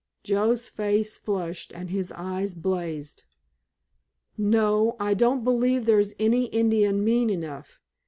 Joe's face flushed and his eyes blazed. "No, I don't believe there's any Indian mean enough.